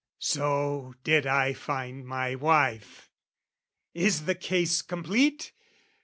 So did I find my wife. Is the case complete?